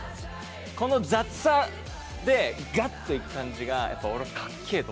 この雑さでガッと行く感じがやっぱ俺かっけえと思ってて。